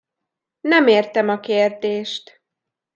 Nem értem a kérdést.